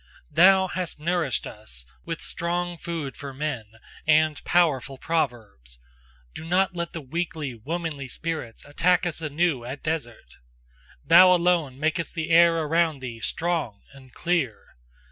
Thou hast nourished us with strong food for men, and powerful proverbs: do not let the weakly, womanly spirits attack us anew at dessert! Thou alone makest the air around thee strong and clear!